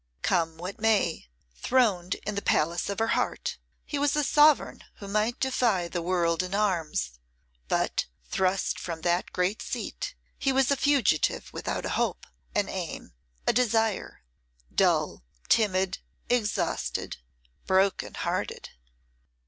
Come what may, throned in the palace of her heart, he was a sovereign who might defy the world in arms; but, thrust from that great seat, he was a fugitive without a hope, an aim, a desire; dull, timid, exhausted, broken hearted!